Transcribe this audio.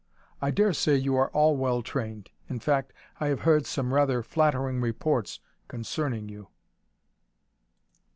I dare say you are all well trained. In fact, I have heard some rather flattering reports concerning you."